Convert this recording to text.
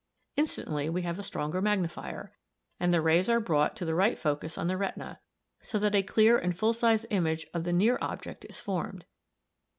Instantly we have a stronger magnifier, and the rays are brought to the right focus on the retina, so that a clear and full size image of the near object is formed.